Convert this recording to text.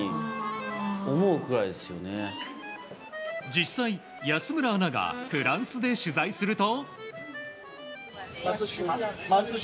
実際、安村アナがフランスで取材すると。